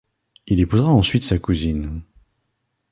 Il épousera ensuite sa cousine.